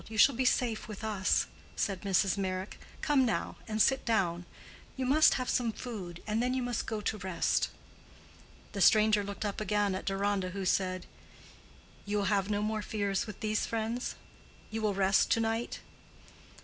You shall be safe with us," said Mrs. Meyrick. "Come now and sit down. You must have some food, and then you must go to rest." The stranger looked up again at Deronda, who said, "You will have no more fears with these friends? You will rest to night?"